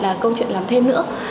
là câu chuyện làm thêm nữa